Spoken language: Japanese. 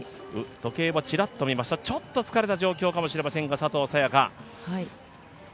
時計をちらっと見ました、ちょっと疲れた状況かもしれませんが佐藤早也伽。